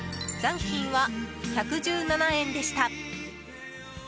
残金は１１７円でした。